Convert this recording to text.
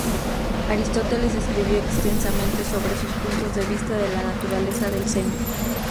Aristóteles escribió extensamente sobre sus puntos de vista de la naturaleza del semen.